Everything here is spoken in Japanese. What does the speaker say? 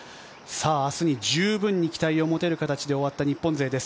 明日に十分に期待を持てる形で終わった日本勢です。